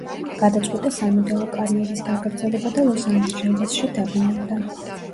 გადაწყვიტა სამოდელო კარიერის გაგრძელება და ლოს-ანჯელესში დაბინავდა.